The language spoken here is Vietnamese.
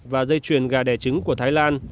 và dây chuyền gà đẻ trứng của thái lan